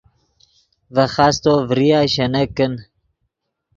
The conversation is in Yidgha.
ڤے خاستو ڤریا شینک کن